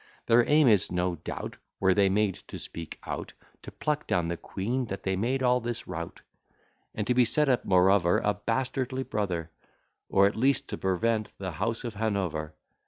Their aim is, no doubt, Were they made to speak out, To pluck down the queen, that they make all this rout; And to set up, moreover, A bastardly brother; Or at least to prevent the House of Hanover.